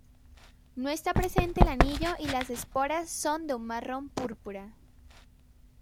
No está presente el anillo y las esporas son de un marrón-púrpura.